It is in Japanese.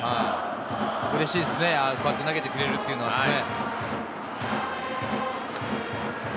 うれしいですね、ああやって投げてくれるっていうのはですね。